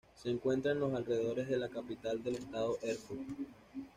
Se encuentra en los alrededores de la capital del estado, Erfurt.